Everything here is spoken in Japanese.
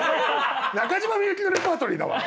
中島みゆきのレパートリーだわ！